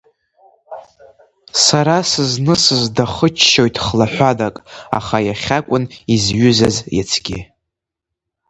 Сара сызнысыз дахыччоит хлаҳәадак, аха иахьакәын изҩызаз иацгьы.